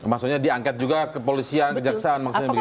maksudnya diangket juga kepolisian kejaksaan maksudnya begitu